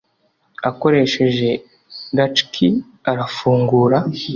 akoresheje latchkey arafungura.